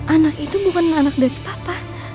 anak itu bukan anak dari papa